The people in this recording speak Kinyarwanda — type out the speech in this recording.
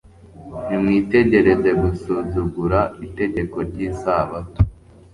Nimwitegereze gusuzugura itegeko ryIsabato